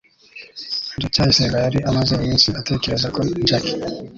ndacyayisenga yari amaze iminsi atekereza kuri jaki